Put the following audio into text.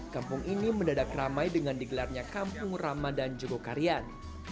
kampung ini mendadak ramai dengan digelarnya kampung ramadan jogokarian